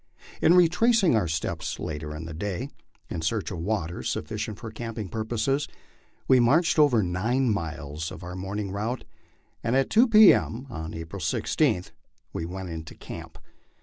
In retracing our steps later in the day, in search of water sufficient for camping purposes, we marched over nine miles of our morning route, and at two P. M. of April 16 we went into camp.